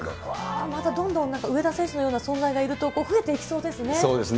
またどんどん上田選手のような存在がいると増えていきそうですね。